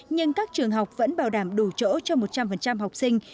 nhưng các trường học vẫn bảo đảm đủ chỗ cho một trăm linh học sinh